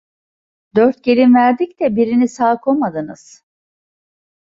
Dört gelin verdik de birini sağ komadınız…